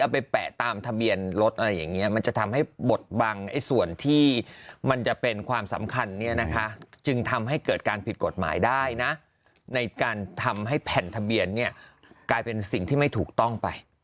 เอาไปแปะตามทะเบียนรถอะไรอย่างนี้มันจะทำให้บทบังไอ้